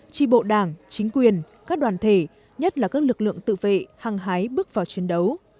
tri bộ đảng chính quyền các đoàn thể nhất là các lực lượng tự vệ hăng hái bước vào chiến đấu